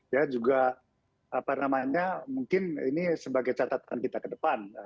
ya juga apa namanya mungkin ini sebagai catatan kita ke depan